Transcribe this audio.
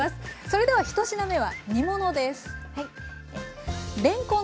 それでは１品目は煮物です。